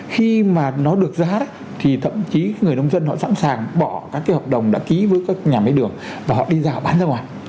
khi mà nó được giá thì thậm chí người nông dân họ sẵn sàng bỏ các cái hợp đồng đã ký với các nhà máy đường và họ đi giao bán ra ngoài